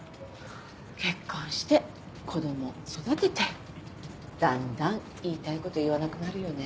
結婚して子供を育ててだんだん言いたいこと言わなくなるよね。